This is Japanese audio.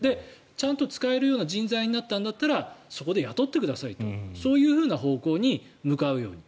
ちゃんと使えるような人材になったんだったらそこで雇ってくださいとそういう方向に向かうように。